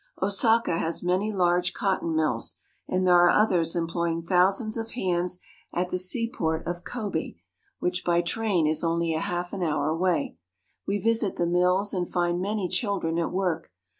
Osaka has many large cotton mills, and there are others employing thousands of hands at the seaport of Kobe, which by train is only an half hour away. We visit the mills, and find many children at work.